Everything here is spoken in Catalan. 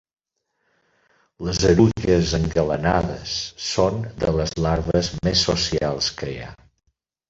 Les erugues engalanades son de les larves més socials que hi ha.